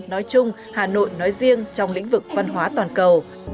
nói chung hà nội nói riêng trong lĩnh vực văn hóa toàn cầu